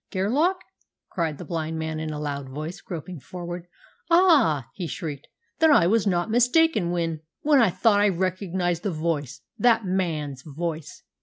"Gerlach!" cried the blind man in a loud voice, groping forward. "Ah," he shrieked, "then I was not mistaken when when I thought I recognised the voice! That man's voice!